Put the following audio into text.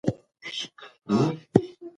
پوهان به کار کاوه.